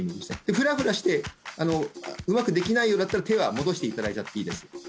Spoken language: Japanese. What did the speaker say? ふらふらしてうまくできないようだったら手は戻していただいちゃっていいです